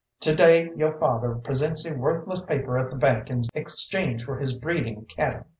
To day yo' father presents a worthless paper at the bank in exchange for his breeding cattle.